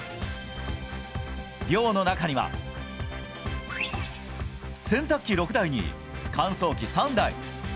寮の中には、洗濯機６台に乾燥機３台。